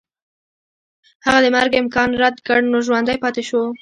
هغه د مرګ امکان رد کړ نو ژوندی پاتې شو.